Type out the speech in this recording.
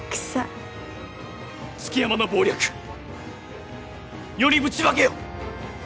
築山の謀略世にぶちまけよ！